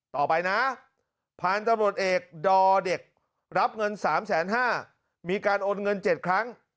ต่อไปนะพันธุ์ตำรวจเอกดอเด็กรับเงิน๓๕๐๐มีการโอนเงิน๗ครั้ง